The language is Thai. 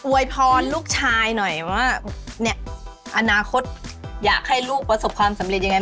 วยพรลูกชายหน่อยว่าเนี่ยอนาคตอยากให้ลูกประสบความสำเร็จยังไง